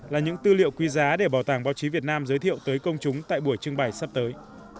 là những tư liệu quý giá để bảo tàng báo chí việt nam giới thiệu tới công chúng tại buổi trưng bày sắp tới